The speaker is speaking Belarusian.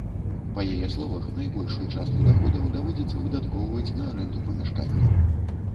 Па яе словах, найбольшую частку даходаў даводзіцца выдаткоўваць на арэнду памяшкання.